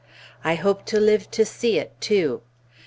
I hope to live to see it, too.